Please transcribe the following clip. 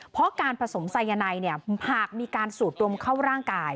เพราะการผสมสายนายหากมีการสูดดมเข้าร่างกาย